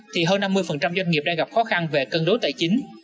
thì hơn năm mươi doanh nghiệp đang gặp khó khăn về cân đối tài chính